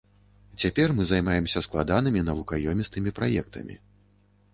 Цяпер мы займаемся складанымі навукаёмістымі праектамі.